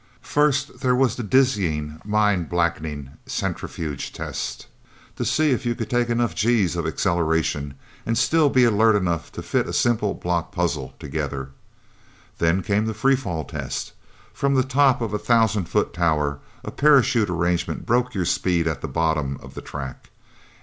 First there was the dizzying, mind blackening centrifuge test, to see if you could take enough Gs of acceleration, and still be alert enough to fit a simple block puzzle together. Then came the free fall test, from the top of a thousand foot tower. A parachute arrangement broke your speed at the bottom of the track.